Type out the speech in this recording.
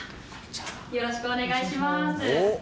よろしくお願いします。